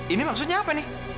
ini maksudnya apa nih